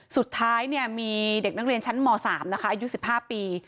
สุดท้ายมีเด็กนักเรียนชั้นม๓นะคะอายุ๑๕ปี